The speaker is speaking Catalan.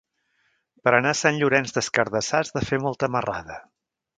Per anar a Sant Llorenç des Cardassar has de fer molta marrada.